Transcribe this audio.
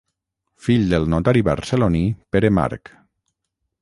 Fill del notari barceloní Pere Marc.